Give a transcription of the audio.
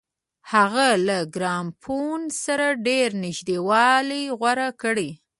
هغه له ګرامافون سره ډېر نږدېوالی غوره کړ.